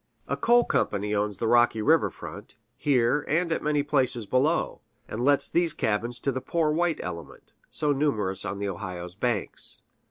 A coal company owns the rocky river front, here and at many places below, and lets these cabins to the poor white element, so numerous on the Ohio's banks.